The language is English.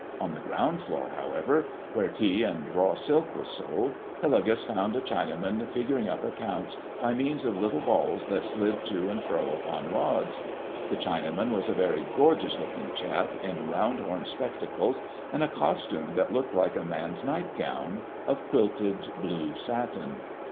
On the ground floor, however, where tea and raw silk was sold, Hillegas found a Chinaman figuring up accounts by means of little balls that slid to and fro upon rods. The Chinaman was a very gorgeous looking chap in round horn spectacles and a costume that looked like a man's nightgown, of quilted blue satin.